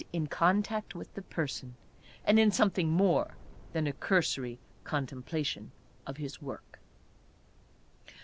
43 in contact with the person, and in something more than a cursory contemplation of his work?